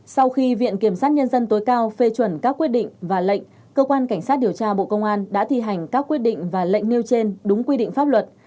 sau khi viện kiểm sát nhân dân tối cao phê chuẩn các quyết định và lệnh cơ quan cảnh sát điều tra bộ công an đã thi hành các quyết định và lệnh nêu trên đúng quy định pháp luật